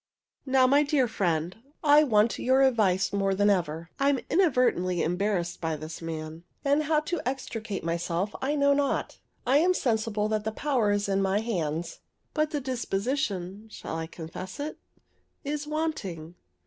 Now, my dear friend, I want your advice more than ever. I am inadvertently embarrassed by this man; and how to extricate myself I know not. I am sensible that the power is in my hands; but the disposition (shall I confess it?) is wanting.